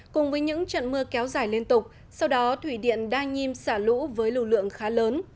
cùng với những trận mưa kéo dài liên tục sau đó thủy điện đa nhiêm xả lũ với lưu lượng khá lớn